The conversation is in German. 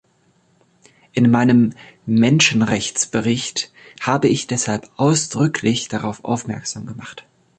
In meinem Menschenrechtsbericht habe ich deshalb ausdrücklich darauf aufmerksam gemacht.